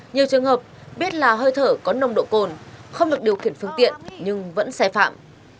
nhiều trường hợp biết là hơi thở có nồng độ cồn không được điều khiển phương tiện nhưng vẫn xe phạm